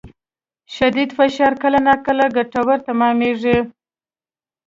شدید فشار کله ناکله ګټور تمامېږي.